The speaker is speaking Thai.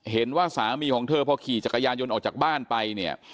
เห็นว่าสามีของเธอพอขี่จักรยานยนต์ออกจากบ้านไปเนี่ย